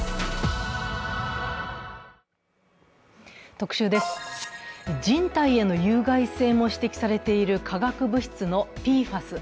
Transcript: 特集です、人体への有害性も指摘されている化学物質のＰＦＡＳ。